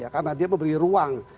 karena dia memberi ruang